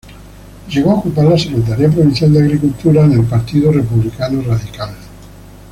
Llegó a ocupar la Secretaría Provincial de Agricultura en el Partido Republicano Radical.